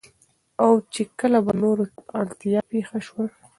او چې کله به نورو ته اړتيا پېښه شوه